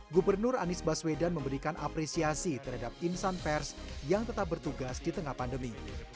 gubernur anies baswedan memberikan apresiasi terhadap insan pers yang tetap bertugas di tengah pandemi